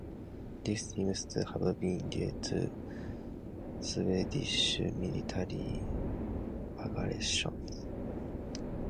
This seems to have been due to Swedish military aggression.